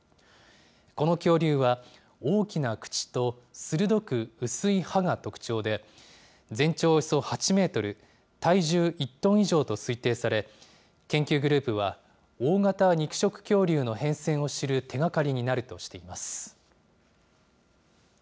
この恐竜は、大きな口と鋭く薄い歯が特徴で、全長およそ８メートル、体重１トン以上と推定され、研究グループは、大型肉食恐竜の変遷を知る手がかりになるとしています。